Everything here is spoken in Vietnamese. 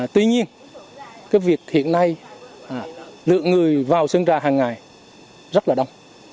tuy nhiên cái việc hiện nay lượng người vào sân ra hàng ngày rất là đông